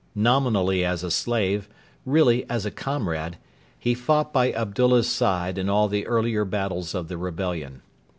Nominally as a slave, really as a comrade, he fought by Abdullah's side in all the earlier battles of the rebellion.